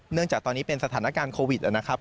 จากตอนนี้เป็นสถานการณ์โควิดนะครับ